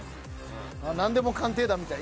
「なんでも鑑定団」みたい。